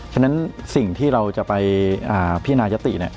ฉะนั้นสิ่งที่เราจะไปพินายติ